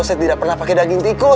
saya tidak pernah pakai daging tikus